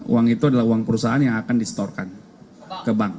uang itu adalah uang perusahaan yang akan distorkan ke bank